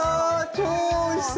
超おいしそ！